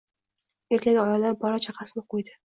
Erkagu ayollar bola-chaqasini qoʻydi